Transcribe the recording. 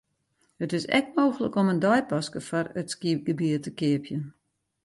It is ek mooglik om in deipaske foar it skygebiet te keapjen.